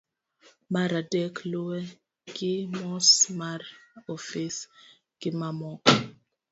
mar adek, luwe gi mos mar ofis gimamoko